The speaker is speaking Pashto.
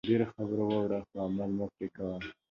ډېرو خبرې واوره خو عمل مه پرې کوئ